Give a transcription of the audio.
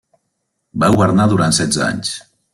Va governar durant setze anys.